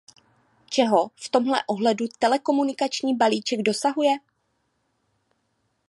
Čeho v tomto ohledu telekomunikační balíček dosahuje?